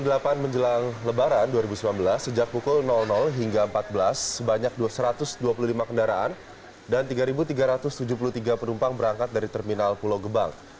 pada pukul delapan menjelang lebaran dua ribu sembilan belas sejak pukul hingga empat belas sebanyak satu ratus dua puluh lima kendaraan dan tiga tiga ratus tujuh puluh tiga penumpang berangkat dari terminal pulau gebang